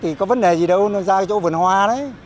thì có vấn đề gì đâu nó ra chỗ vườn hoa đấy